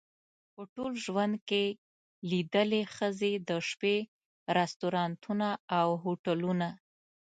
په ټول ژوند کې لیدلې ښځې د شپې رستورانتونه او هوټلونه.